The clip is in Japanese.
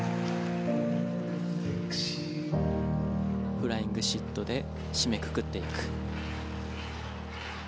フライングシットで締めくくっていく。